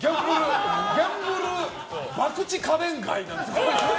ギャンブル博打家電買いなんですよ。